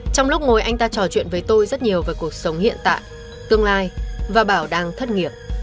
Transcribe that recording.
trong lúc ngồi anh ta trò chuyện với tôi rất nhiều về cuộc sống hiện tại tương lai và bảo đang thất nghiệp